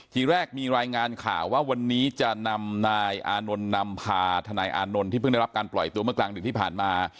ทีแรกมีรายงานข่าวว่าวันนี้จะนำนายอานนท์นำพาทนายอานนท์ที่เพิ่งได้รับการปล่อยตัวเมื่อกลางดึกที่ผ่านมา